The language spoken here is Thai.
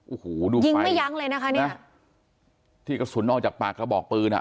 โอ้โหดูยิงไม่ยั้งเลยนะคะเนี่ยที่กระสุนออกจากปากกระบอกปืนอ่ะ